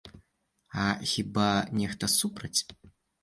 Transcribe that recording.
А хіба нехта супраць?